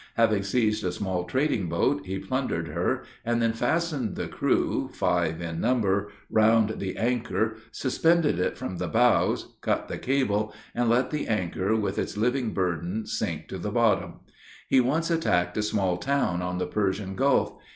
Having seized a small trading boat, he plundered her, and then fastened the crew five in number round the anchor, suspended it from the bows, cut the cable, and let the anchor, with its living burden, sink to the bottom. He once attacked a small town on the Persian Gulf.